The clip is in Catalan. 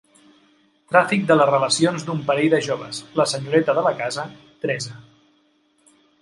Tràfic de les relacions d'un parell de joves: la senyoreta de la casa, Teresa.